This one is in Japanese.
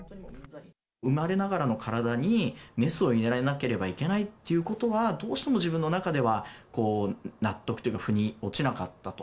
生まれながらの体に、メスを入れられなければいけないということは、どうしても自分の中では納得というか、ふに落ちなかったと。